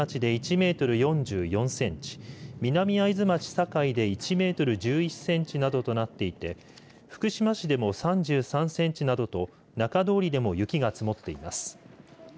只見町で１メートル４４センチ南会津町界で１メートル１１センチなどとなっていて福島市でも３３センチなどと中通りでも雪が積もっています。